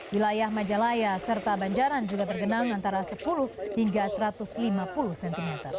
wilayah majalaya serta banjaran juga tergenang antara sepuluh hingga satu ratus lima puluh cm